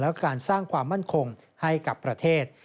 และการสร้างความมั่นคงให้กับประเทศ